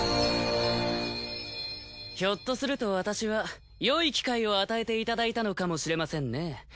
ひょっとすると私はよい機会を与えていただいたのかもしれませんね。